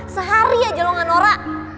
sehari aja lu gak nora